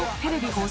放送